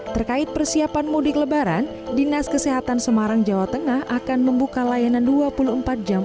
terkait persiapan mudik lebaran dinas kesehatan semarang jawa tengah akan membuka layanan dua puluh empat jam